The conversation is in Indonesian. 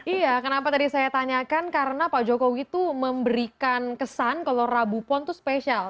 iya kenapa tadi saya tanyakan karena pak jokowi itu memberikan kesan kalau rabu pon itu spesial